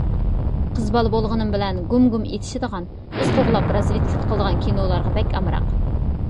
قىز بالا بولغىنىم بىلەن گۇم-گۇم ئېتىشىدىغان، ئىز قوغلاپ رازۋېدكا قىلىدىغان كىنولارغا بەك ئامراق.